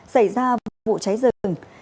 xảy ra vụ cháy rừng